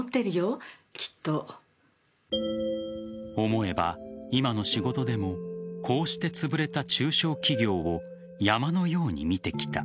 思えば、今の仕事でもこうしてつぶれた中小企業を山のように見てきた。